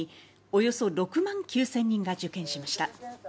およそ６万９０００人が受験しました。